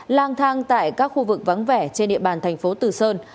lang thang tại các khu vực vắng vẻ trên địa bàn tp từ sơn